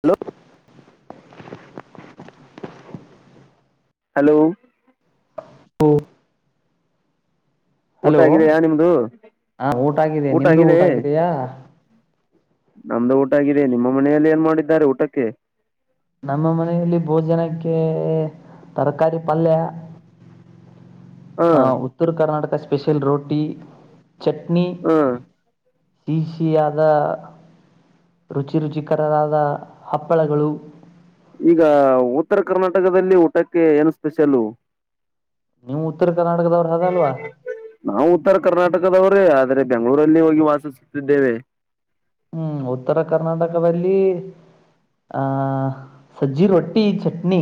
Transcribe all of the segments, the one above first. Hello hello ಹ್ಮ ಊಟ ಆಗಿದೆಯಾ ನಿಮ್ದು ಊಟ ಆಗಿದೆ ನಮ್ದ ಊಟ ಆಗಿದೆ ನಿಮ್ಮ ಮನೆಯಲ್ಲಿ ಏನ್ ಮಾಡಿದ್ದಾರೆ ಊಟಕ್ಕೆ ನಮ್ಮ ಮನೆಯಲ್ಲಿ ಭೋಜನಕ್ಕೆ ತರಕಾರಿ ಪಲ್ಯ ಹ ಉತ್ತರ ಕರ್ನಾಟಕ ಸ್ಪೆಷಲ್ ರೋಟಿ ಚಟ್ನಿ ಹ ಸಿ ಸಿಿ ಅದ ರುಚಿ ರುಚಿಕರರಾದ ಹಪ್ಪಳಗಳು ಈಗ ಉತ್ತರ ಕರ್ನಾಟಕದಲ್ಲಿ ಊಟಕ್ಕೆ ಏನು ಸ್ಪೆಷಲ್ಲ ನೀವು ಉತ್ತರ ಕರ್ನಾಟಕದವ್ರ ಅದಲ್ವಾ ನಾವು ಉತ್ತರ ಕರ್ನಾಟಕದವ್ರೇ ಆದ್ರೆ ಬೆಂಗಳೂರಲ್ಲಿ ಹೋಗಿ ವಾಸಿಸುತ್ತಿದ್ದೇವೆ ಹ್ಮ್ ಉತ್ತರ ಕರ್ನಾಟಕ ವಲ್ಲಿಿ ಆಹ ಸಜ್ಜಿ ರೊಟ್ಟಿ ಚಟ್ನಿ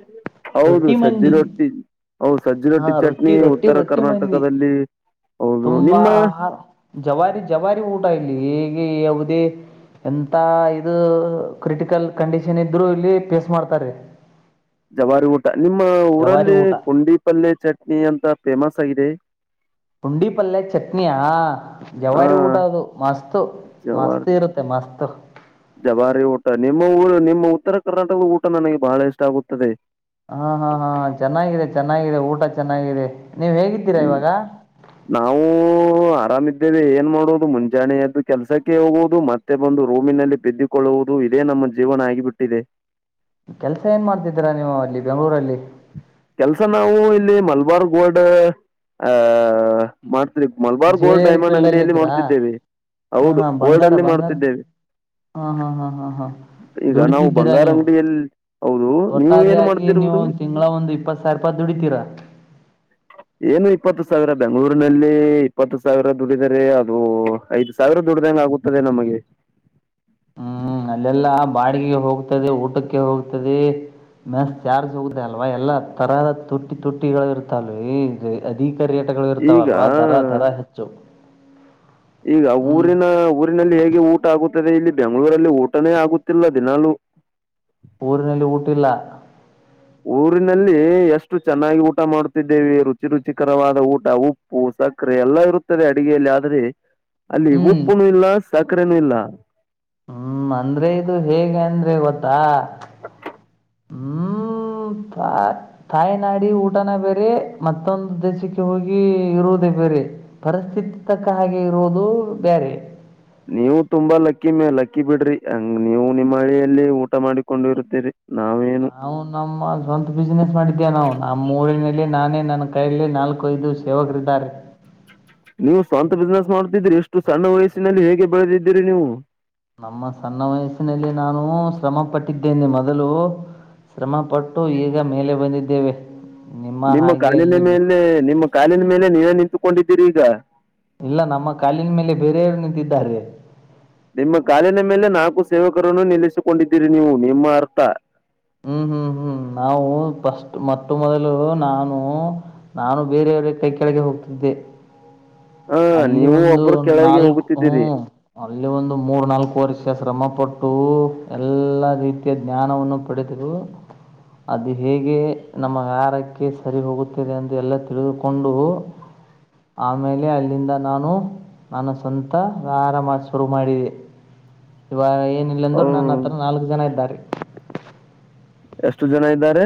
ಹ್ಮ್ ಹೌದು ರೊಟ್ಟಿ ಸಜ್ಜಿ ಮಂದಿ ರೊಟ್ಟಿ ಹದು ಸಜ್ಜಿ ಹಾ ರೊಟ್ಟಿ ಚಟ್ನಿ ರೊಟ್ಟಿ ಉತ್ತರ ರೊಟ್ಟಿ ಮಂದಿ ಕರ್ನಾಟಕದಲ್ಲಿ ಹೌದು ತುಂಬಾ ನಿಮ್ಮ ಆಹಾರ ಜವಾರಿ ಜವಾರಿ ಊಟ ಇಲ್ಲಿ ಹೇಗೆ ಯಾವುದೇ ಎಂತ ಇದು ಕ್ರಿಟಿಕಲ್ ಕಂಡೀಷನ್ ಇದ್ರು ಇಲ್ಲಿ ಫೇಸ್ ಮಾಡ್ತಾರೀ ಜಬಾರಿ ಊಟ ನಿಮ್ಮ ಜವಾರಿ ಊರಲ್ಲಿ ಊಟ ಪುಂಡಿ ಪಲ್ಯ ಚಟ್ನಿ ಅಂತ ಫೇಮಸ್ ಆಗಿದೆ ಪುಂಡಿ ಪಲ್ಯ ಚಟ್ನಿಯಾ ಹ ಜವಾರಿ ಊಟ ಅದು ಮಸ್ತ್ ಮಸ್ತ್ ಇರುತ್ತೆ ಮಸ್ತ್ ಜಬಾರಿ ಊಟ ನಿಮ್ಮ ಊರು ನಿಮ್ಮ ಉತ್ತರ ಕರ್ನಾಟಕದ ಊಟ ನನಗೆ ಬಹಳ ಇಷ್ಟ ಆಗುತ್ತದೆ ಹಾ ಹಾ ಹಾ ಚೆನ್ನಾಗಿದೆ ಚೆನ್ನಾಗಿದೆ ಊಟ ಚೆನ್ನಾಗಿದೆ ನೀವ್ ಹೇಗಿದ್ದೀರಾ ಹ್ಮ್ ಇವಾಗ ನಾವು ಆರಾಮ ಇದ್ದೇವೆ ಏನ್ ಮಾಡುವುದು ಮುಂಜಾನೆಯದ್ದು ಕೆಲಸಕ್ಕೆ ಹೋಗುವುದು ಮತ್ತೆ ಬಂದು ರೂಮಿನಲ್ಲಿ ಬಿದ್ದಿಕೊಳ್ಳುವುದು ಇದೇ ನಮ್ಮ ಜೀವನ ಆಗಿಬಿಟ್ಟಿದೆ ಕೆಲ್ಸ ಏನ್ ಮಾಡ್ತಿದ್ದೀರಾ ನೀವು ಅಲ್ಲಿ ಬೆಂಗ್ಳೂರಲ್ಲಿ ಕೆಲ್ಸ ನಾವು ಇಲ್ಲಿ ಮಲ್ಬಾರ್ ಗೋಲ್ಡ್ ಆಹ ಮಾಡ್ Malabar gold jewellery diamond field ಅಲ್ಲಿ ಅಂಗಡಿಯಲ್ಲಿ ಇದ್ದೀರಾ ಮಾಡ್ತಿದ್ದೇವೆ ಹ ಹೌದು ಹಾ ಗೋಲ್ಡ್ ಬಂಗಾರ ಅಲ್ಲಿ ಬಂಗಾರ ಮಾಡ್ತಿದ್ದೇವೆ ಹಾ ಹಾ ಹಾ ಹಾ ಹಾ ಈಗ ನಾವು ದುಡಿತಿದ್ದೀರಾ ಬಂಗಾರ ನೀವು ಅಂಗಡಿಯಲ್ಲಿ ಹೌದು ನೀವು ಏನ್ ಒಟ್ಟಾರೆಯಾಗಿ ನೀವು ಮಾಡ್ತಿರುವುದು ತಿಂಗಳ ಒಂದು ಇಪ್ಪತ್ ಸಾವಿರ ರೂಪಾಯಿ ದುಡಿತೀರಾ ಏನು ಇಪ್ಪತ್ತು ಸಾವಿರ ಬೆಂಗಳೂರು ನಲ್ಲಿ ಇಪ್ಪತ್ತು ಸಾವಿರ ದುಡಿದರೆ ಅದು ಐದ್ ಸಾವಿರ ದುಡ್ದಂಗ ಆಗುತ್ತದೆ ನಮಗೆ ಹ್ಮ್ ಅಲ್ಲೆಲ್ಲಾ ಬಾಡಿಗೆ ಹೋಗ್ತದೆ ಊಟಕ್ಕೆ ಹೋಗ್ತದೆ ಮಸ್ ಚಾರ್ಜ್ ಹೋಗುದ ಅಲ್ವಾ ಎಲ್ಲಾ ತರ ತೊಟ್ಟಿ ತೊಟ್ಟಿಗಳು ಇರುತ್ತಲ್ವ ಅದ ಪೇರ್ಯಟಗಳು ಈಗ ಇರ್ತಾವಲ್ವಾ ದರ ದರ ಹೆಚ್ಚು ಈಗ ಹ್ಮ್ ಊರಿನ ಊರಿನಲ್ಲಿ ಹೇಗೆ ಊಟ ಆಗುತ್ತ ಇಲ್ಲಿ ಬೆಂಗಳೂರಲ್ಲಿ ಊಟನೇ ಆಗುತ್ತಿಲ್ಲ ದಿನಾಲೂ ಊರಿನಲ್ಲಿ ಊಟಿಲ್ಲ ಊರಿನಲ್ಲಿ ಎಷ್ಟು ಚೆನ್ನಾಗಿ ಊಟ ಮಾಡುತ್ತಿದ್ದೇವೆ ರುಚಿ ರುಚಿಕರವಾದ ಊಟ ಉಪ್ಪು ಸಕ್ಕರೆ ಎಲ್ಲ ಇರುತ್ತದೆ ಅಡಿಗೆಯಲ್ಲಿ ಆದ್ರೆ ಅಲ್ಲಿ ಹ್ಮ್ ಉಪ್ಪುನುೂ ಇಲ್ಲ ಸಕ್ಕರೆನೂ ಇಲ್ಲ ಹ್ಮ್ ಅಂದ್ರೆ ಇದು ಹೇಗೆ ಅಂದ್ರೆ ಗೊತ್ತಾ ಹ್ಮ ತಾಯಿನಾಡಿ ಊಟನ ಬೇರೆ ಮತ್ತೊಂದು ದೇಶಕ್ಕೆ ಹೋಗಿ ಇರುವುದ ಬೇರೆ ಪರಿಸ್ಥಿತಿ ತಕ್ಕ ಹಾಗೆ ಇರುವುದು ಬೇರೆ ನೀವು ತುಂಬಾ ಲಕ್ಕಿ ಮೇ ಲಕ್ಕಿ ಬಿಡ್ರಿ ಹಂಗ ನೀವು ನಿಮ್ಮ್ ಹಳಿಯಲ್ಲಿ ಊಟ ಮಾಡಿಕೊಂಡು ಇರ್ತೀರಿ ನಾ ನಾವು ನಮ್ಮ ಸ್ವಂತ ಬಿಸ್ನೆಸ್ ಮಾಡಿದ್ದೇ ನಾವು ನಮ್ಮ ಊರಿನಲ್ಲಿ ನಾನೇ ನನ್ನ ಕೈಯಲ್ಲಿ ನಾಲ್ಕು ಐದು ಸೇವಕರಿದ್ದಾರೆ ನೀವು ಸ್ವಂತ ಬಿಸ್ನೆಸ್ ಮಾಡ ದ್ರರಿ ಎಷ್ಟು ಸಣ್ಣ ವಯಸ್ಸಿನಲ್ಲಿ ಹೇಗೆ ಬೆಳೆದಿದ್ದೀರಿ ನೀವು ನಮ್ಮ ಸಣ್ಣ ವಯಸ್ಸಿನಲ್ಲಿ ನಾನು ಶ್ರಮಪಟ್ಟಿದ್ದೇನೆ ಮೊದಲು ಶ್ರಮ ಪಟ್ಟು ಈಗ ಮೇಲೆ ಬಂದಿದ್ದೇವೆ ನಿಮ್ಮ ಹಾಗೆ ಕಾಲಿನ ಅಲ್ಲಿ ಬೆ- ಮೇಲೆ ನಿಮ್ಮ ಕಾಲಿನ ಮೇಲೆ ನೀವೇ ನಿಂತುಕೊಂಡಿದ್ದೀರಿ ಈಗ ಇಲ್ಲ ನಮ್ಮ ಕಾಲಿನ ಮೇಲೆ ಬೇರೆಯವರು ನಿಂತಿದ್ದಾರೆ ನಿಮ್ಮ ಕಾಲಿನ ಮೇಲೆ ನಾಲ್ಕು ಸೇವಕರನ್ನು ನಿಲ್ಲಿಸಿಕೊಂಡಿದ್ದೀರಿ ನೀವು ನಿಮ್ಮ ಅರ್ಥ ಹ್ಮ್ ಹ್ಮ್ ಹ್ಮ್ ನಾವು ಫಸ್ಟ್ ಮಟ್ಟ ಮೊದಲು ನಾನು ನಾನು ಬೇರೆ ಕೈ ಕೆಳಗೆ ಹೋಗ್ತ್ತಿದ್ದೆ ಹಾ ಅಲ್ಲಿ ನೀವು ಒಂದು ಒಬ್ಬರು ಕೆಳಗೆ ನಾಲ್ಕು ಹೋಗುತ್ತಿದ್ದೀರಿ ಹ್ಮ್ ಅಲ್ಲಿ ಒಂದು ಮೂರ್ ನಾಲ್ಕು ಪೋರ್ಷ ಶ್ರಮಪಟ್ಟು ಎಲ್ಲ ರೀತಿಯ ಜ್ಞಾನವನ್ನು ಪಡೆದುದು ಅದು ಹೇಗೆ ನಮ್ಮ ಹಾರಕ್ಕೆ ಸರಿ ಹೋಗುತ್ತದೆ ಅ ಎಂದು ಎಲ್ಲ ತಿಳಿದುಕೊಂಡು ಆಮೇಲೆ ಅಲ್ಲಿಂದ ನಾನು ನನ್ನ ಸ್ವಂತ ವ್ಯರಾಮ ಶುರು ಮಾಡಿದೆ ಇವ ಏನಿಲ್ಲ ಅಂದ್ರು ಅವ್ರು ನನ್ನ ಹತ್ರ ನಾಲ್ಕು ಜನ ಇದ್ದಾರೆ ಎಷ್ಟು ಜನ ಇದ್ದಾರೆ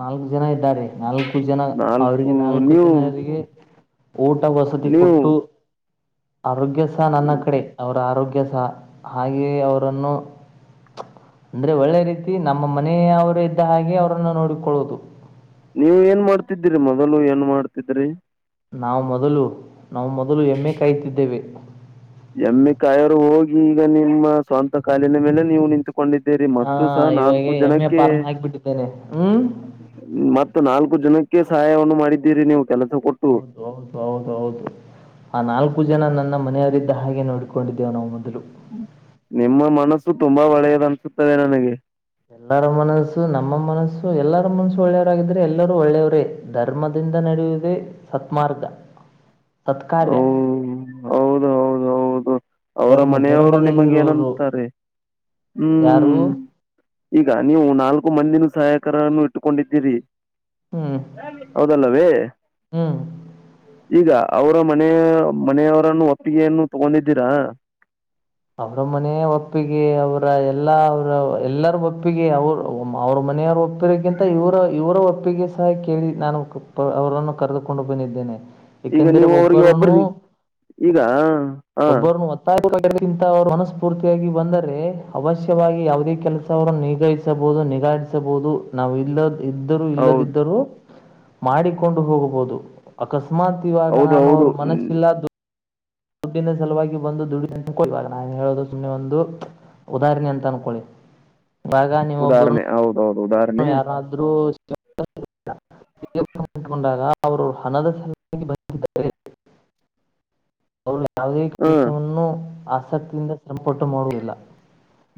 ನಾಲ್ಕು ಜನ ಇದ್ದಾರೆ ನಾಲ್ಕು ಜನ ನಾಲ್ಕು ಅವ್ರಿಗೆ ನಾಲ್ಕು ನೀವು ಜನರಿಗೆ ಊಟ ವಸತಿ ನೀವು ಕೊಟ್ಟು ಆರೋಗ್ಯ ಸಹ ನನ್ನ ಕಡೆ ಅವರ ಆರೋಗ್ಯ ಸಹ ಹಾಗೆಯೇ ಅವರನ್ನು ಅಂದರೆ ಒಳ್ಳೆ ರೀತಿ ನಮ್ಮ ಮನೆಯವರು ಇದ್ದ ಹಾಗೆ ಅವರನ್ನು ನೋಡಿಕೊಳ್ಳೋುದು ನೀವ ಏನ್ ಮಾಡ್ತಿದ್ದೀರಿ ಮೊದಲು ಏನ್ ಮಾಡ್ತಿದ್ರಿ ನಾವು ಮೊದಲು ನಾವು ಮೊದಲು ಎಮ್ಮೆ ಕಾಯುತ್ತಿದ್ದೇವೆ ಎಮ್ಮೆ ಕಾಯವರು ಹೋಗಿ ಈಗ ನಿಮ್ಮ ಸ್ವಂತ ಕಾಲಿನ ಮೇಲೆ ನೀವು ನಿಂತು ಕೊಂಡಿದ್ದೇರಿ ಮತ್ತ ಸಹ ಹಾಂ ಇವಾಗ ನಾಲ್ಕು ಎಮ್ಮೆ ಜನಕ್ಕೆ ಪಾರ್ಮ್ ಹಾಕಿಬಿಟ್ಟಿದ್ದೇನೆ ಹ್ಞೂ ಮತ್ತತ್ ನಾಲ್ಕು ಜನಕ್ಕೆ ಸಹಾಯವನ್ನು ಮಾಡಿದ್ದೀರಿ ನೀವು ಕೆಲಸ ಕೊಟ್ಟು ಹೌದು ಹೌದು ಹೌದು ಹೌದು ಆ ನಾಲ್ಕು ಜನ ನನ್ನ ಮನೆಯ ಹಾಗೆ ನೋಡಡ್ಡಿದ್ದೇವು ನಾವು ಮೊದಲು ನಿಮ್ಮ ಮನಸ್ಸು ತುಂಬಾ ಒಳ್ಳೆಯದನ್ಸುತ್ತದೆ ನನಗೆ ಎಲ್ಲರ ಮನಸ್ಸು ನಮ್ಮ ಮನಸ್ಸು ಎಲ್ಲರ ಮನಸು ಒಳ್ಳೆಯವರಾಗಿದ್ರೆ ಎಲ್ಲರೂ ಒಳ್ಳೆಯವರೇ ಧರ್ಮದ ನಡೆಯುವುದೇ ಸತ್ಮಾರ್ಗ ಹ ತತ್ಕಾರ್ಯ ಹೌದು ಹೌದು ಹೌದು ಅವರ ಧರ್ಮ ಮನೆಯವರು ನಿಮಗ ಧರ್ಮದಲ್ಲಿರುವವರು ಏನಂತಾರೆ ಯಾರು ಹ್ಮ್ ಈಗ ನೀವು ನಾಲ್ಕು ಮಂದಿನೂ ಸಹಾಯ ರನ್ನು ಇಟ್ಟುಕೊಂಡಿದ್ದೀರಿ ಹ್ಮ್ ಹೌದಲ್ಲವೇ ಹ್ಮ್ ಈಗ ಅವರ ಮನೆಯ ಮನೆಯವರನ್ನು ಒಪ್ಪಿಗೆಯನ್ನು ತಗೊಂಡಿದ್ದೀರಾ ಅವರ ಮನೆಯ ಒಪ್ಪಿಗೆ ಅವರ ಎಲ್ಲಾ ಅವರ ಎಲ್ಲರ ಒಪ್ಪಿಗೆ ಅವರು ಅವ್ರ ಮ ಮನೆಯವ್ರ ಒಪ್ಪಿರಗಿಂತ ಇವರ ಇವರ ಒಪ್ಪಿಗೆ ಸಹ ಕೇಳಿ ನಾನು ಅವರನ್ನು ಕರೆದುಕೊಂಡು ಬಂದಿದ್ದೇನೆ ಈಗ ಏಕೆಂದರೆ ನೀವು ಅವ್ರಿಗೆ ಒಬ್ಬ ಒಬ್ಬರನ್ನು ಈಗ ಹ ಒಬ್ಬರನ್ನು ಮತ್ತ ಮನಸ್ಫೂರ್ತಿಯಾಗಿ ಬಂದರೆ ಅವಶ್ಯವಾಗಿ ಯಾವುದೇ ಕೆಲಸ ಅವರನ್ನು ನಿಗಹಿಸಬಹುದು ನಿಗಾಡಿಸಬಹುದು ನಾವು ಇಲ್ಲ ಇದ್ದರೂ ಹೌದು ಇಲ್ಲದಿದ್ದರೂ ಮಾಡಿಕೊಂಡು ಹೋಗಬಹುದು ಅಕಸ್ಮತ್ ಮಾತ್ ಇವಾಗ ಹೌದು ನಾನು ಹೌದು ಅವ್ರ ಹ್ಮ್ ಮನಸ್ಸಿಲ್ಲ ದುಡ್ಡಿಂದ ಸಲುವಾಗಿ ಬಂದು ದುಡ ಇವಾಗ ನಾನು ಹೇಳೋದು ಸುಮ್ಮನೆ ಒಂದು ಉದಾಹರಣೆ ಅಂತ ಅನ್ಕೊಳ್ಳಿ ಇವಾಗ ನೀವೊಬ್ಬರು ಉದಾಹರಣೆ ಹೌದೌದು ಉದಾಹರಣೆ ಯಾರಾದ್ರರು [inaudible] [inaudible] [inaudible] ಅವರು ಯಾವುದೇ ಹ್ಮ್ ಕೆಲಸವನ್ನು ಆಸಕ್ತಿಯಿಂದ ಸಂಪಟು ಮಾಡುವುದಿಲ್ಲ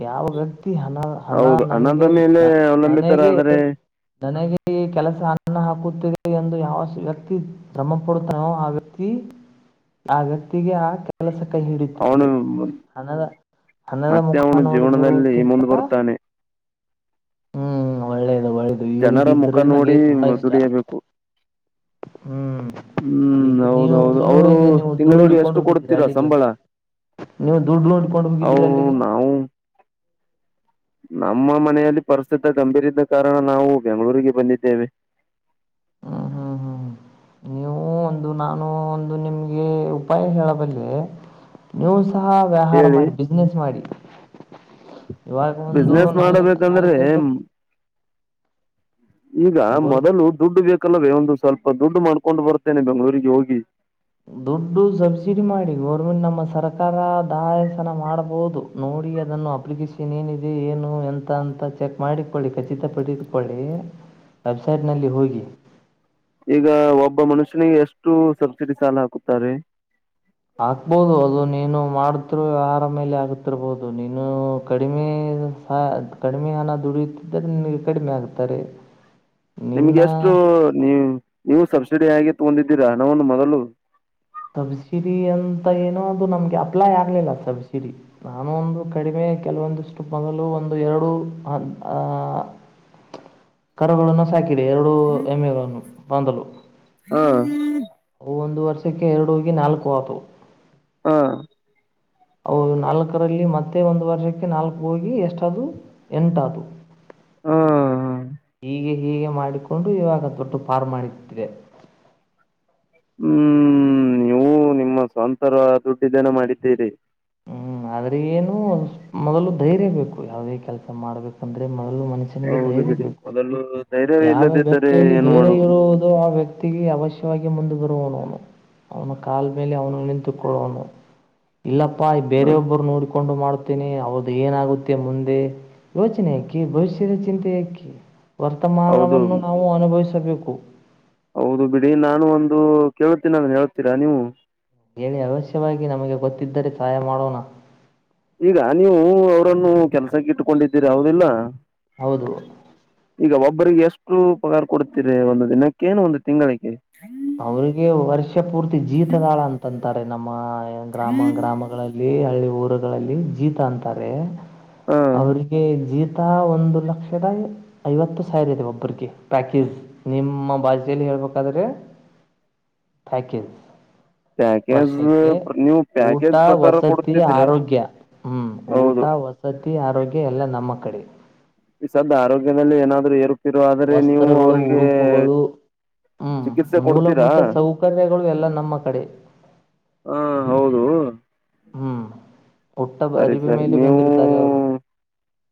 ಯಾವ ವ್ಯಕ್ತಿ ಹಣ ಹಣ ಹೌದು ಹಣದ ನನ್ಗೆ ಮೇಲೆ ನನಗೆ ಅವಲಂಬಿತರಾದರೆ ನನಗೆ ೇ ಕೆಲಸ ಅನ್ನ ಹಾಕುತ್ತಿದೆ ಎಂದು ಯಾವ ವ್ಯಕ್ತಿ ಶ್ರಮಪಡುತ್ತಾನೋ ಆ ವ್ಯಕ್ತಿ ವ್ಯಕ್ತತಿಗೆ ಆ ಕೆಲಸ ಕೈ ಅವನು ಹಿಡುತ್ತದೆ ಅನ ಹಣದ ಮತ್ತೆ ಮುಖ ಅವನು ನೋಡಿ ಜೀವನದಲ್ಲಿ ಬರುವೋಕಿಂತ ಮುಂದೆ ಬರ್ತಾನೆ ಹ್ಮ್ ಒಳ್ಳೇದು ಒಳ್ಳೇದು ಈ ಜನರ ರೀತಿ ಮುಖ ಇದ್ರೆ ನಂಗೆ ನೋಡಿ ತುಂಬಾ ಇಷ್ಟ ದುಡಿಯಬೇಕು ಹ್ಮ್ ಹ್ಮ್ ಈಗೆ ನೀವು ಹೌದೌದು ನೀವು ಅವರು ಹೇಗೆ ತಿಂಗಳಿಗೆ ನೋಡಿಕೊಂಡು ಎಷ್ಟು ಹೋಗಿದ್ದೀರಾ ಕೊಡ್ತೀರಾ ಅಲ್ಲಿಗೆ ಸಂಬಳ ನೀವು ದುಡ್ಡು ನೋಡ್ಕೊಂಡು ಹೋಗಿದ್ದೀರಿ ಅವರು ಅಲ್ಲಿಗೆ ನಾವು ನಮ್ಮ ಮನೆಯಲ್ಲಿ ಪರಿಸ್ಥತಿ ಗಂಭೀರ್ದ ಕಾರಣ ನಾವು ಬೆಂಗಳೂರಿಗೆ ಬಂದಿದ್ದೇವೆ [inaudible] ಒ ನಾನು ಒಂದು ನಿಮಗೆ ಉಪಾಯ ಹೇಳಬಲ್ಲೆ ನೀವು ಸಹ ವ್ಯವಹಾರ ಹೇಳಿ ಮಾಡಿ ಬಿಸ್ನೆಸ್ ಮಾಡಿ ಇವಾಗ ಒಂದು ಬಿಸ್ನೆಸ್ ನಾಲ್ ಮಾಡಬೇಕಂದ್ರೆ ನಾಲ್ಕೈತ ಈಗ ಮೊದಲು ದುಡ್ಡು ಬೇಕಲ್ಲವೇ ಒಂದು ಸ್ವಲ್ಪ ದುಡ್ಡು ಮಾಡ್ಕೊಂಡು ಬರ್ತೇನೆ ಬೆಂಗಳೂರಿಗೆ ಹೋಗಿ ದುಡ್ಡು ಸಬ್ಸಿಡಿ ಮಾಡಿ ಗೌರ್ಮೆಂಟ್ ನಮ್ಮ ಸರ್ಕಾರ ದಾಯಾಸನ ಮಾಡಬಹುದು ನೋಡಿ ನೋಡಿ ಅದನ್ನು ಅಪ್ಲಿಕೇಶನ್ ಏನಿದೆ ಏನು ಎಂತ ಅಂತ ಚೆಕ್ ಮಾಡಿಕೊಳ್ಳಿ ಖಚಿತಪಡಿಸಿಕೊಳ್ಳಿ ವೆಬ್ಸೈಟ್ನಲ್ಲಿ ಹೋಗಿ ಈಗ ಒಬ್ಬ ಮನುಷ್ಯನಿಗೆ ಎಷ್ಟು ಸಬ್ಸಿಡಿ ಸಾಲ ಹಾಕುತ್ತಾರೆ ಆಗ್ಬೋದು ಅದು ನೀನು ಮಾಡತಿರು ವ್ಯವಹಾರ ಮೇಲೆ ಆಗತಿರ್ಬಹದು ನೀನು ಕಡಿಮೆ ಕಡಿಮೆ ಹಣ ದುಡಿಯುತ್ತಿದ್ದ್ರೆ ನಿಮಗೆ ಕಡಿಮೆ ಆಗ್ತಾರೆ [inaudible] ನಿನ್ನ ನಿಮ್ಗೆ ಎಷ್ಟು ನೀವು ಸಬ್ಸಿಡಿ ಆಗಿ ತಗೊಂಡಿದ್ದೀರಾ ಹಣ ಒಂದು ಮೊದಲು ಸಬ್ಸಿಡಿ ಅಂತ ಏನೋ ಅದು ನಮ್ಗೆ ಅಪ್ಲೈ ಆಗ್ಲಿಲ್ಲ ಸಬ್ಸಿಡಿ ನಾನು ಒಂದು ಕಡಿಮೆ ಕೆಲವೊಂದಿಷ್ಟು ಮೊದಲು ಒಂದು ಎರಡು ಕರುಗಳನ್ನು ಸಾಕಿದೆ ಎರಡು ಎಮ್ಮೆಗಳನ್ನು ಬಂದಲು ಹಾ ಒಂದು ವರ್ಷಕ್ಕೆ ಎರಡು ಹೋಗಿ ನಾಲ್ಕು ಅದ್ವು ಹಾ ನಾಲ್ಕರಲ್ಲಿ ಮತ್ತೆ ಒಂದು ವರ್ಷಕ್ಕೆ ನಾಲ್ಕು ಹೋಗಿ ಎಷ್ಟದು ಎಂಟದು ಹೂ ಹೀಗೆ ಹೀಗೆ ಮಾಡಿಕೊಂಡು ಇವಾಗ ದೊಡ್ಡ ಪಫಾರ್ಮ ಮಾಡಟ್ಟಿದೆ ಹ್ಮ್ ನೀವು ನಿಮ್ಮ ಸ್ವಂತರ ದುಡ್ಡಿದ್ದನ ಮಾಡಿದ್ದೀರಿ. ಆದ್ರೆ ಏನು ಮೊದಲು ಧೈರ್ಯ ಬೇಕು ಯಾವುದೇ ಕೆಲಸ ಮಾಡ್ಬೇಕಂದ್ರೆ. ಮನುಷ್ಯನಿಗೆ ಹೌದು ಧೈರ್ಯ ಬಿಡಿ ಬೇಕು ಮೊದಲು ಧೈರ್ಯವೇ ಯಾವ ಇಲ್ಲದಿದ್ದರೆ ವ್ಯಕ್ತಿಯಲ್ಲಿ ಏನ್ ಧೈರ್ಯ ಮಾಡುವುದು ಇರುವುದು ಆ ವ್ಯಕ್ತಿಗೆ ಅವಶ್ಯ ಮುಂದ ಬರುವನು ಅವನ ಕಾಾಲ ಮೇಲೆ ಅವನು ನಿಂತುಕೊಳ್ಳುವನು ಇಲ್ಲ ಪ್ಪಾ ಬೇರೆ ಹ ಒಬ್ಬರು ನೋಡಿಕೊಂಡು ಮಾಡ್ತೇನಿ ಅವ್ದ ಏನಾಗುತ್ತೆ ಮುಂದೆ. ಯೋಚನೆ ಯಾಕಿ ಭವಿಷ್ಯದ ಚಿಂತೆಯಕಿ. ಹೌದು ವರ್ತಮಾನವನ್ನು ನಾವು ಅನುಭವಿಸಬೇಕು. ಹೌದು ಬಿಡಿ ನಾನು ಒಂದು ಕೇೇಳತೀನಿಾನನ್ ಹೇಳ್ತೀರಾ ನೀವು. ಹೇಳಿ ಅವಶ್ಯವಾಗಿ ನಮಗೆ ಗೊತ್ತಿದ್ದರೆ ಸಹಾಯ ಮಾಡೋಣ. ಈಗ ನೀವು ಅವ್ರನ್ನು ಕೆಲ್ಸಕ್ಕೆ ಇಟ್ಟಕೊಂಡಿದ್ದೀರಿ ಯಾವದಿಲ್ಲ. ಹೌದು ಈಗ ಒಬ್ಬರಿಗೆ ಎಷ್ಟು. ಮಕ್ಕಳು ಪಗಾರ್ ಕೊಡ್ತೀರ ಒಂದು ದಿನಕ್ಕೆೇನು ಒಂದು ತಿಂಗಳಿಗೆ. ಅವ್ರಿಗೆ ವರ್ಷ ಪೂರ್ತಿ ಜೀತದಾಳ ಅಂತಂತಾರೆ ನಮ್ಮ. ಗ್ರಾಮ ಗ್ರಾಮಗಳಲ್ಲಿ ಹಳ್ಳಿ ಊರುಗಳಲ್ಲಿ ಜೀತ ಅಂತಾರೆ ಹ ಅವ್ರಿಗೆ ಜೀ. ಒಂದು ಲಕ್ಷದ ಐವತ್ತು ಸಾವಿರ ಇದೆ ಒಬ್ಬರಿಗೆ ಪ್ಯಾಕೇಜ್ ನಿಮ್ಮ ಬಾಜಲ್ಲಿ ಹೇಳ. ಕದ್ರಿ ಪ್ಯಾಕೇಜ್. ಪ್ಯಾಕೇಜ್ ವರ್ಷಕ್ಕೆ ನೀವು ಊಟ ಪ್ಯಾಕೇಜ್ ಪ್ರಕಾರ ವಸತಿ ಕೊಡ್ತಿದ್ದೀರಾ ಆರೋಗ್ಯ ಹ್ಮ್ ಊಟ. ಊಟ ಹೌದು ವಸತಿ ಆರೋಗ್ಯ ಎಲ್ಲ ನಮ್ಮ ಕಡೆ. ಸದ ಆರೋಗ್ಯದಲ್ಲಿ ಏನಾದ್ೂ ಏರುತ್ತಿರ ಆದ್ರೆ ನೀವು ಅವರಿಗೆ. ಹ್ಮ್ ಚಿಕಿತ್ಸೆ ಕೊಡ್ತೀರಾ ಮೂಲಭೂತ ಸೌಕರ್ಯಗಳು ಎಲ್ಲ ನಮ್ಮ ಕಡೆ. ಹಾ ಹೌದು ಹ್ಮ್ ಸರಿ ಸರಿ ನೀವು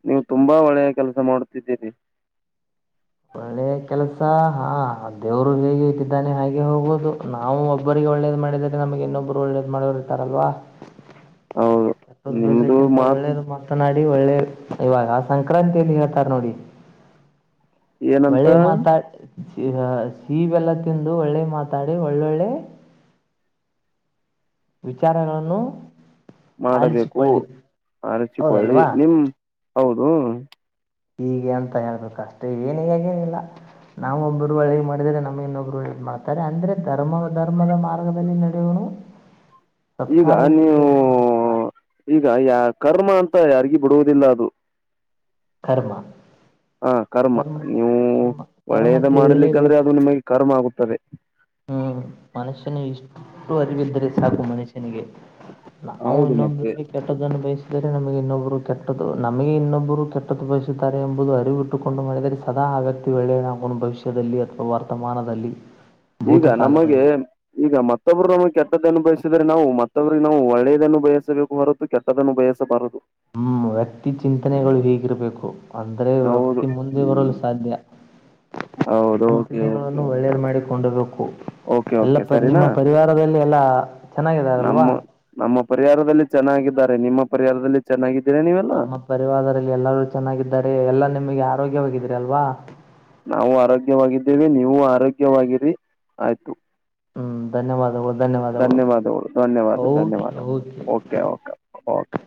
ನೀವು ತುಂಬಾ ಒಳ್ಳೆಯ ಕೆಲಸ ಮಾಡುತ್ತಿದ್ದೀರಿ. ಒಳ್ಳೆಯ ಕೆಲಸ ಹಾ ದೇವರು ಹೇಗೆ ಇಟ್ಟಿದ್ದಾನೆ ಹಾಗೆ ಹೋಗೋುದು ನಾವು ಒಬ್ಬರಿಗೆ. ಒಳ್ಳೇದು ಮಾಡಿದ್ರೆ ನಮಗೆ ಇನ್ನೊಬ್ರು ಒಳ್ಳೇದು ಮಾಡೋರು ಇರತರಲ್ವಾ [inaudible] ಎಪ್ಪ ನಿಮ್ದು ಬಯಸಕ್ಕಿಂತ ಮಾತ್ ಒಳ್ಳೇದು ಮಾತನಾಡಿ ಒಳ್ಳೆ. ಇವಾಗ ಆ ಸಂಕ್ರಾಂತಿಯಲ್ಲಿ ಹೇಳ್ತಾರ ನೋಡಿ. ಏನಂತ ಒಳ್ಳೆ ಮಾತಾಡ್ ಶವೆಲ್ಲ. ತಿಂದು ಒಳ್ಳೆ ಮಾತಾಡಿ ಒಳ್ಳೊಳ್ಳೆ ವಿಚಾರಗಳನ್ನು ಮಾಡಬೇಕು ಆಲಿಸಿಕೊಳ್ಳಿ ಅರಚಿಕೊಳ್ಳಿ ಹೌದಲ್ವಾ ನಿಮ್ ಹೌದು. ಹೀಗೆ ಅಂತ ಹೇಳ್ಬೇಕು ಅಷ್ಟೇ ಏನುಗೇನಿಲ್ಲ. ನಾವವು ಒಬ್ಬರು ಹಳಗೆ ಮಾಡಿದರೆ ನಮಗೆ ಇನ್ನೊಬ್ರು ಹದು ಮಾಡ್ತಾರೆ ಅಂದ್ರೆ ಧರ್ಮ ಧರ್ಮದ ಮಾರ್ಗದಲ್ಲಿ ನಡೆಯುವೋಣ. ಈಗ ನೀವು ಸದಾ ಈಗ ಯ ಕರ್ಮ ಅಂತ ಯಾರಿಗ. ಬಿಡುವುದಿಲ್ಲ ಅದು. ಕರ್ಮ. ಹ ಕರ್ಮ ನೀವು ಕರ್ಮ ಕರ್ಮ ಒಳ್ಳೇದ ಮಾಡಲಿಕ್ಕಂದ್ರೆ ತಿರುಗಲೇಬೇಕು ಅದು ನಿಮಗೆ ಕರ್ಮ ಆಗುತ್ತದೆ ಹ್ಮ್ ಮನುಷ್ಯನ ಇಷ್ಟು ಅರಿವಿದ್ದರೆ ಸಾಕು ಮನುಷ್ಯನಿಗೆ ನವು ಹೌದು ಮತ್ತೆ ಇನ್ನೊಬ್ಬ್ರರಿಗೆ ಕೆಟ್ಟದ್ದನ್ನು ಬಯಸ ಇದರೆ ನಮಗೆ ಇನ್ನೊಬ್ಬರು ಕೆಟ್ಟದು ನಮಗೆ ಇನ್ನೊಬ್ಬರು ಕೆಟ್ಟ್ದ ಬಯಸುತ್ತಾರೆ ಎಂಬುದು ಅರಿವು ಇಟ್ಟುಕೊಂಡು ಮಾಡಿದರೆ ಸದಾ. ಅಗತ್ಯ ಒಳ್ಳೆನಕನು ಭವಿಷ್ಯದಲ್ಲಿ ಅಥವಾ ವರ್ತಮಾನದಲ್ಲಿ. ಈಗ ನಮಗೆ ಭೂತಕಾಲದಲ್ಲಿ ಈಗ ಮತ್ತೊಬ್ರು ನಮ ಕೆಟ್ಟದ ಅನುಭವಸಿದ್ರೆ ನಾವು ಮತ್ತ ನಾವು ಒಳ್ಳೆಯದನ್ನು ಬಯಸಬೇಕು ಬರುು ಕೆಟ್ಟದನ್ನು ಬಯಸಬಾರದು. ಹ್ಮ್ ವ್ಯಕ್ತಿ ಚಿಂತನೆಗಳು ಹಿಗಿರಬೇಕು. ಅಂದ್ರೆ ಹೌದು ವ್ಯಕ್ತಿ ಮುಂದೆ ಹ್ಮ್ ಬರಲು ಸಾಧ್ಯ. ಹೌದು ಕೆ ಓಕೆ ಚಿಂತನೆಗಳನ್ನು ಓಕೆ ಒಳ್ಳೇದು ಮಾಡಿಕೊಂಡಬೇಕು ಓಕೆ ಎಲ್ಲ ಓಕೆ ಪ ನಿಮ್ಮ ಸರಿನಾ ಪರಿವಾರದಲ್ಲಿ ಎಲ್ಲಾ ನಮ್ಮ ಚೆನ್ನಾಗಿದಾರಲ್ವಾ ನಮ್ಮ ಪರಿಹಾರದಲ್ಲಿ ಚೆನ್ನಾಗಿದ್ದಾರೆ ನಿಮ್ಮ ಪರಿಹಾರದಲ್ಲಿ ಚೆನ್ನಾಗಿ ನಮ್ಮ ಪರಿವಾರದಲ್ಲಿ ಎಲ್ಲರೂ ಚೆನ್ನಾಗಿದ್ದಾರೆ ಎಲ್ಲಾ ನಿಮಗೆ ಆರೋಗ್ಯವಾಗಿದ್ರ ಅಲ್ವಾ ನಾವು ಆರೋಗ್ಯವಾಗಿದ್ದೇವೆ ನೀವು ಆರೋಗ್ಯವಾಗಿರಿ ಆಯ್ತು ಹ್ಮ್ ಧನ್ಯವಾದ ಧನ್ಯವಾದಗಳು ಧನ್ಯವಾದ ಧನ್ಯವಾದ ಓಕೆ ಓಕೆ